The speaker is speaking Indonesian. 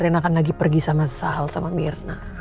rena akan lagi pergi sama sal sama mirna